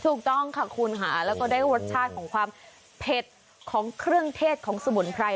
ถูกต้องค่ะคุณค่ะแล้วก็ได้รสชาติของความเผ็ดของเครื่องเทศของสมุนไพร